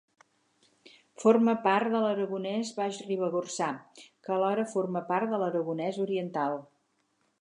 Forma part de l'Aragonès Baix-Ribagorçà que alhora forma part de l'Aragonès oriental.